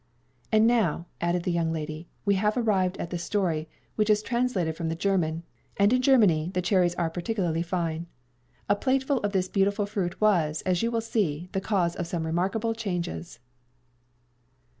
And now," added the young lady, "we have arrived at the story, which is translated from the German; and in Germany the cherries are particularly fine. A plateful of this beautiful fruit was, as you will see, the cause of some remarkable changes."